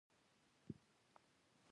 کرکټ ولې مشهور دی؟